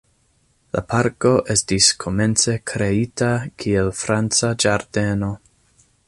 La parko estis komence kreita kiel franca ĝardeno.